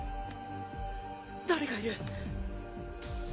誰かいる。